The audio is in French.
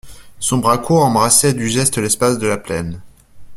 Son bras court embrassait du geste l'espace de la plaine.